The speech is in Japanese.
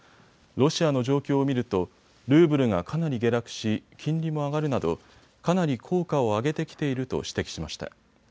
ロシアの状況を見るとルーブルがかなり下落し金利も上がるなどかなり効果を上げてきていると指摘しました。